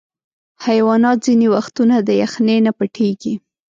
حیوانات ځینې وختونه د یخني نه پټیږي.